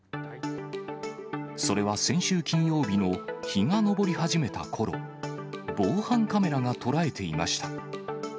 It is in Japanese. それは先週金曜日の日が昇り始めたころ、防犯カメラが捉えていました。